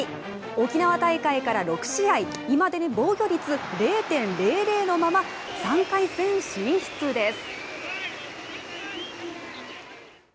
沖縄大会から６試合いまだに防御率０．００のまま３回戦進出です。